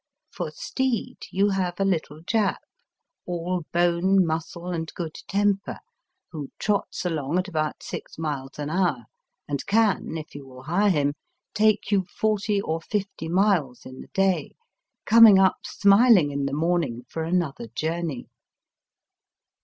For steed you have a little Jap, all bone, muscle, and good temper, who trots along at about six miles an hour, and can, if you will hire him, take you forty or fifty miles in the day, coming up smiling in the morning for another journey.